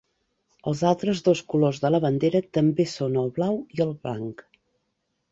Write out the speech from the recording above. Els altres dos colors de la bandera també són el blau i el blanc.